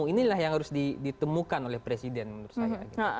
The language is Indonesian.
inilah yang harus ditemukan oleh presiden menurut saya